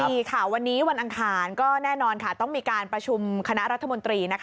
ดีค่ะวันนี้วันอังคารก็แน่นอนค่ะต้องมีการประชุมคณะรัฐมนตรี